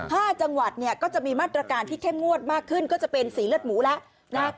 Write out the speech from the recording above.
จังหวัดเนี่ยก็จะมีมาตรการที่เข้มงวดมากขึ้นก็จะเป็นสีเลือดหมูแล้วนะ